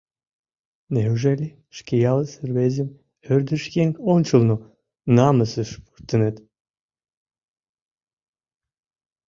Неужели шке ялысе рвезым ӧрдыж еҥ ончылно намысыш пуртынет?